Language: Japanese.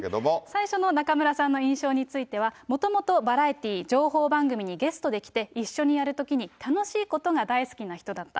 最初の中村さんの印象については、もともとバラエティー、情報番組にゲストで来て、一緒にやるときに楽しいことが大好きな人だった。